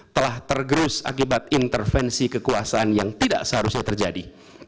telah tergerus akibat intervensi kekuasaan yang tidak seharusnya terjadi